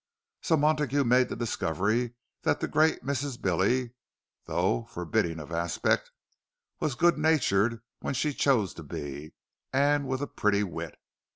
So Montague made the discovery that the great Mrs. Billy, though. forbidding of aspect, was good natured when she chose to be, and with a pretty wit.